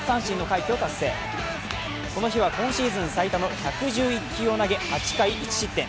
この日は今シーズン最多の１１１球を投げ８回１失点。